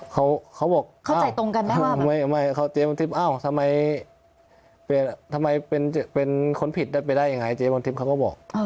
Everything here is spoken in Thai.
เขาเขาบอกเข้าใจตรงกันไหมว่าไม่ไม่เขาเจฟพ่อนทิพย์อ้าวทำไมเป็นทำไมเป็นเป็นคนผิดได้ไปได้ยังไงเจฟพ่อนทิพย์เขาก็บอก